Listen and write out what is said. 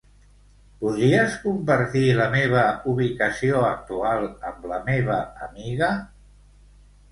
Podries compartir la meva ubicació actual amb la meva amiga?